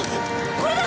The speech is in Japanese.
これだ！